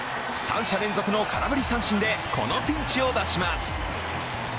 ３者連続の空振り三振でこのピンチを脱します。